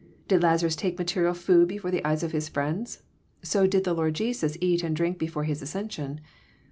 — Did Lazarus take material food before the eyes of his friends? So did the Lord Jesus eat and drink before His ascension.